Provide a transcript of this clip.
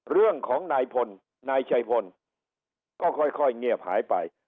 เรื่องของนายพลนายชัยพลก็ค่อยเงียบหายไป